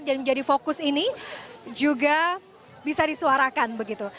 dan menjadi fokus ini juga bisa disuarakan begitu